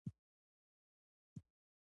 ښارونه د طبیعي پدیدو یو ښکلی رنګ دی.